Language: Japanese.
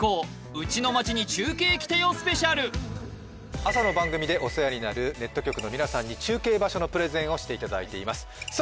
朝の番組でお世話になるネット局の皆さんに中継場所のプレゼンをしていただいていますさあ